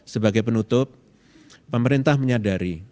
sebagai penutup pemerintah menyadari